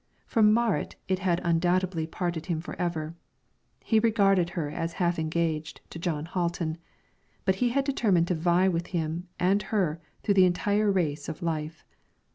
From Marit it had undoubtedly parted him forever; he regarded her as half engaged to Jon Hatlen; but he had determined to vie with him and her through the entire race of life.